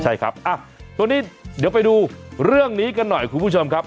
ใช่ครับตัวนี้เดี๋ยวไปดูเรื่องนี้กันหน่อยคุณผู้ชมครับ